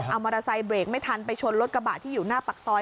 เอามอเตอร์ไซค์เบรกไม่ทันไปชนรถกระบะที่อยู่หน้าปากซอย